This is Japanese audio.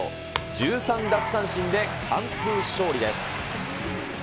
１３奪三振で完封勝利です。